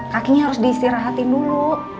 kakinya harus diistirahatin dulu